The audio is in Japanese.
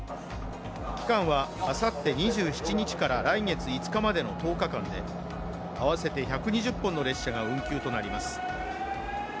期間はあさって２７日から来月５日までの１０日間で、合わせて１２０本の列車が運休となります。